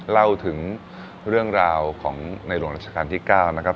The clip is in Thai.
เล่าถึงเรื่องราวของในหลวงราชการที่๙นะครับ